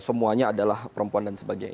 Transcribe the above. semuanya adalah perempuan dan sebagainya